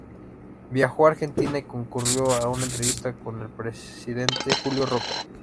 Viajó a Argentina y concurrió a una entrevista con el presidente Julio Roca.